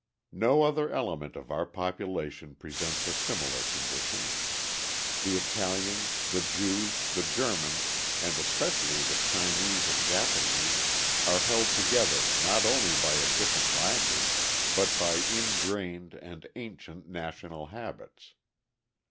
No other element of our population presents a similar condition; the Italians, the Jews, the Germans and especially the Chinese and Japanese are held together not only by a different language, but by ingrained and ancient national habits.